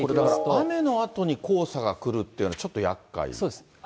これが雨のあとに黄砂が来るっていうのはちょっとやっかい。